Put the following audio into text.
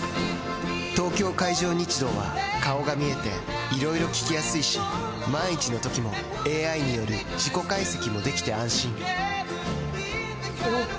東京海上日動は顔が見えていろいろ聞きやすいし万一のときもＡＩによる事故解析もできて安心おぉ！